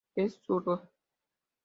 Es zurdo.